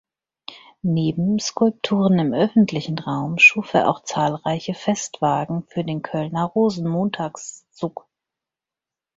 Neben Skulpturen im öffentlichen Raum schuf er auch zahlreiche Festwagen für den Kölner Rosenmontagszug.